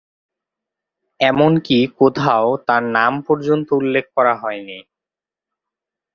এমনকি কোথাও তার নাম পর্যন্ত উল্লেখ করা হয়নি।